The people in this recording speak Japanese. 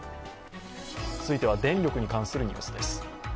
続いては電力に関するニュースです。